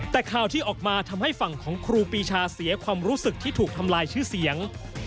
แต่ข่าวที่ออกมาทำให้ฝั่งของครูปีชาเสียความรู้สึกที่ถูกทำลายชื่อเสียง